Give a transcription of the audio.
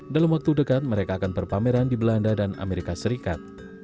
dalam waktu dekat mereka akan berpameran di belanda dan amerika serikat